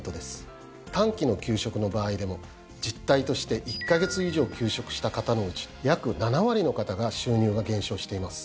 短期の休職の場合でも実態として１カ月以上休職した方のうち約７割の方が収入が減少しています。